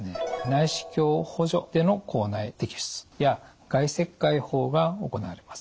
内視鏡補助での口内摘出や外切開法が行われます。